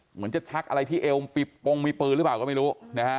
เหมือนจะชักอะไรที่เอวปิดปงมีปืนหรือเปล่าก็ไม่รู้นะฮะ